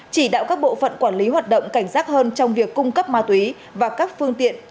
chỉ đạo các bộ phận quản lý hoạt động cảnh giác hơn trong việc cung cấp ma túy và các phương tiện